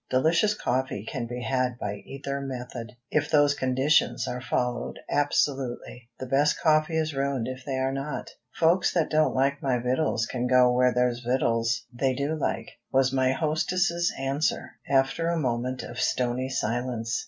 Delicious coffee can be had by either method, if those conditions are followed absolutely; the best coffee is ruined if they are not." "Folks that don't like my vittles can go where there's vittle's they do like," was my hostess's answer, after a moment of stony silence.